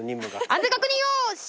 安全確認よーし！